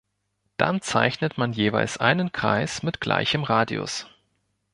Dann zeichnet man jeweils einen Kreis mit gleichem Radius.